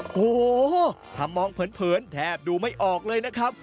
โอ้โหถ้ามองเผินแทบดูไม่ออกเลยนะครับ